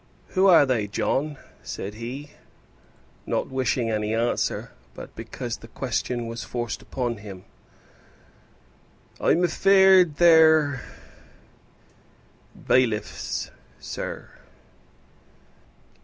"Who are they, John?" said he, not wishing any answer, but because the question was forced upon him. "I'm afeard they're bailiffs, sir."